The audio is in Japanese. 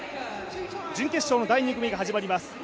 準決勝の第２組が始まります。